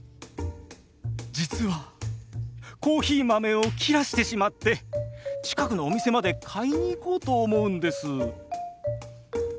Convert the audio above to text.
実はコーヒー豆を切らしてしまって近くのお店まで買いに行こうと思うんです。